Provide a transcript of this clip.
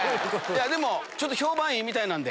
ちょっと評判いいみたいなんで。